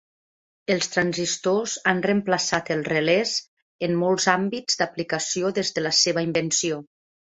Els transistors han reemplaçat els relés en molts àmbits d'aplicació des de la seva invenció.